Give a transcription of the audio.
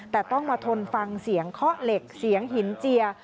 แต่ต้องมาทนฟังเสียงเคาะเหล็กเสียงหินเจีย